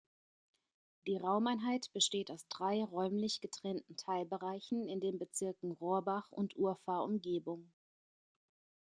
Die Raumeinheit besteht aus drei räumlich getrennten Teilbereichen in den Bezirken Rohrbach und Urfahr-Umgebung.